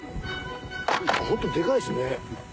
ホントでかいですね。